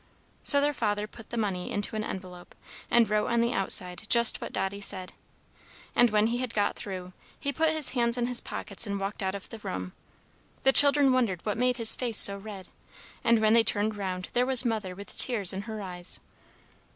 '" So their father put the money into an envelope, and wrote on the outside just what Dotty said. And, when he had got through, he put his hands in his pockets and walked out of the room. The children wondered what made his face so red, and when they turned round, there was Mother with tears in her eyes.